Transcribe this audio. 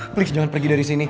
friksi jangan pergi dari sini